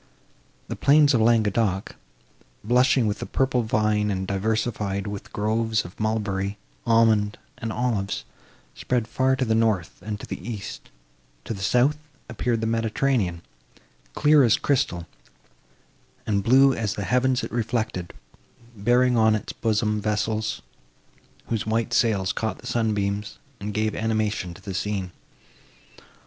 The plains of Languedoc, blushing with the purple vine and diversified with groves of mulberry, almond and olives, spread far to the north and the east; to the south, appeared the Mediterranean, clear as crystal, and blue as the heavens it reflected, bearing on its bosom vessels, whose white sails caught the sunbeams, and gave animation to the scene.